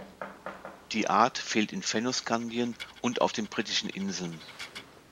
Die Art fehlt in Fennoskandien und auf den Britischen Inseln.